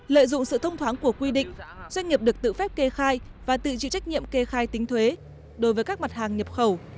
lợi dụng sự thông thoáng của quy định doanh nghiệp được tự phép kê khai và tự chịu trách nhiệm kê khai tính thuế đối với các mặt hàng nhập khẩu